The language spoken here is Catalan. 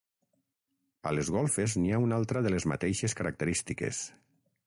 A les golfes n'hi ha una altra de les mateixes característiques.